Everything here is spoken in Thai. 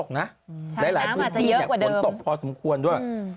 ใช่นะมันอาจจะเยอะกว่าเดิมหลายพื้นที่ผลตกพอสมควรด้วย